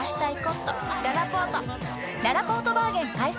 ららぽーとバーゲン開催！